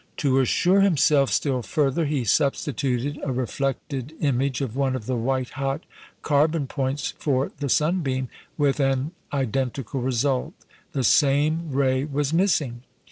To assure himself still further, he substituted a reflected image of one of the white hot carbon points for the sunbeam, with an identical result. _The same ray was missing.